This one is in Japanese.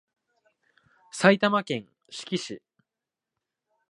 埼玉県志木市